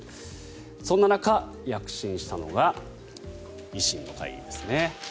そんな中、躍進したのが維新の会ですね。